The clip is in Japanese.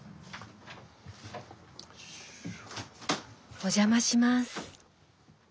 お邪魔します。